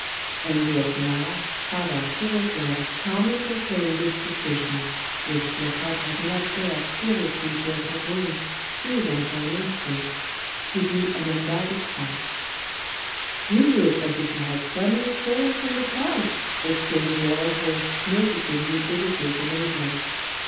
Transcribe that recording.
And yet now Father Tirauclair calmly proclaimed this suspicion which Lecoq had not dared seriously to entertain, even for an instant to be an undoubted fact. "You look as if you had suddenly fallen from the clouds," exclaimed the oracle, noticing his visitor's amazement.